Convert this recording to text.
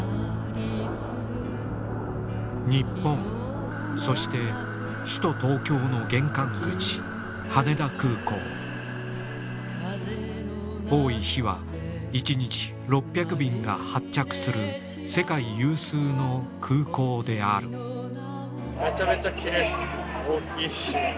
日本そして首都・東京の玄関口羽田空港多い日は１日６００便が発着する世界有数の空港であるなるほど。